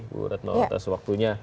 bu retno atas waktunya